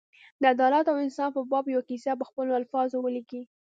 د عدالت او انصاف په باب یوه کیسه په خپلو الفاظو ولیکي.